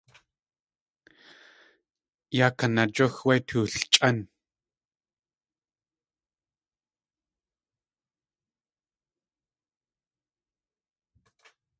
Yaa kanajúx wé toolchʼán.